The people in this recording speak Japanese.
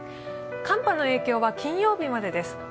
寒波の影響は金曜日までです。